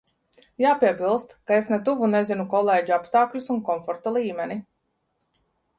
Jāpiebilst, ka es ne tuvu nezinu kolēģu apstākļus un komforta līmeni.